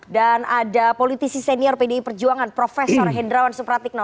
dan ada politisi senior pdi perjuangan prof hendrawan supratikno